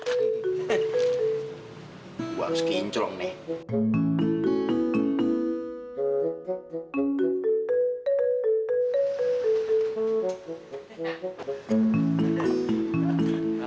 jadi kamu ingin superficial